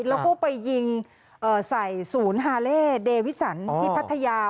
แล้วก็ไปยิงใส่ศูนย์ฮาเล่เดวิสันที่พัทยา